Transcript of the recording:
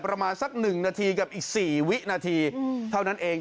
ประมาณสัก๑นาทีกับอีก๔วินาทีเท่านั้นเอง